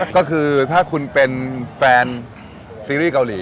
ก็คือถ้าคุณเป็นแฟนซีรีส์เกาหลี